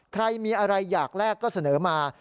ใครมีอะไรอยากแลกก็เสนอมา